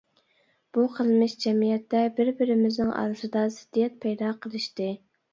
بۇ قىلمىش جەمئىيەتتە بىر-بىرىمىزنىڭ ئارىسىدا زىددىيەت پەيدا قىلىشتى.